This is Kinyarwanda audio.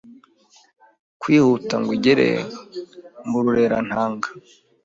kwihuta ngo igere mu murerantanga